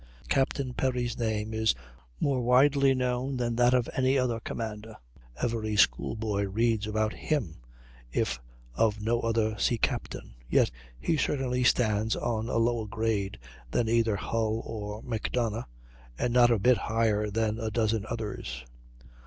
Captain Perry's name is more widely known than that of any other commander. Every school boy reads about him, if of no other sea captain; yet he certainly stands on a lower grade than either Hull or Macdonough, and not a bit higher than a dozen others.